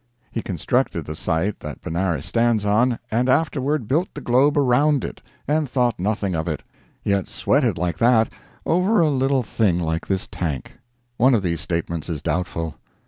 He constructed the site that Benares stands on, and afterward built the globe around it, and thought nothing of it, yet sweated like that over a little thing like this tank. One of these statements is doubtful.